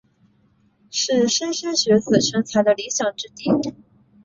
是莘莘学子成才的理想之地。